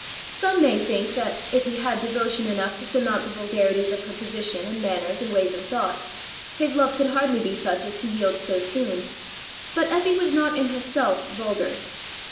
Some may think that, if he had devotion enough to surmount the vulgarities of her position and manners and ways of thought, his love could hardly be such as to yield so soon; but Eppy was not in herself vulgar.